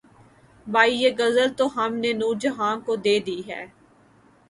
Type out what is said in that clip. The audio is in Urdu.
بھئی یہ غزل تو ہم نے نور جہاں کو دے دی ہے